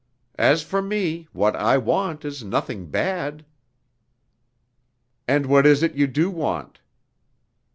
As for me, what I want is nothing bad." "And what is it you do want?"